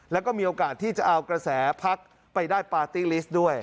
แล้วก็มีโอกาสที่จะเอากระแสพักไปได้ปาร์ตี้ลิสต์ด้วย